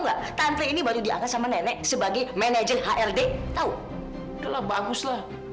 nggak tante ini baru diangkat sama nenek sebagai manajer hld tahu adalah baguslah